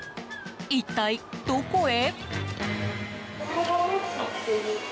一体どこへ？